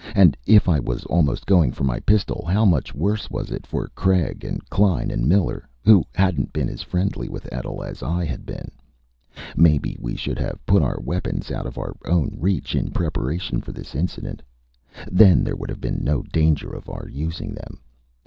And if I was almost going for my pistol, how much worse was it for Craig, Klein and Miller, who hadn't been as friendly with Etl as I had been? Maybe we should have put our weapons out of our own reach, in preparation for this incident. Then there would have been no danger of our using them.